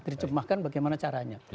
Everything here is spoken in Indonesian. dicepmahkan bagaimana caranya